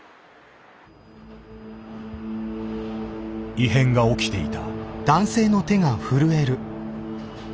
異変が起きていた。